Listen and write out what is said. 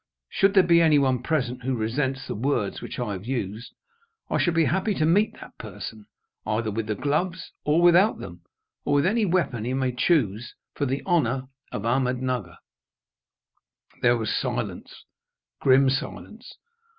Should there be any one present who resents the words which I have used, I shall be happy to meet that person, either with the gloves, or without them, or with any weapon he may choose for the honour of Ahmednugger." There was silence grim silence.